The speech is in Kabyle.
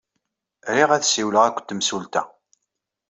Riɣ ad ssiwleɣ akked temsulta.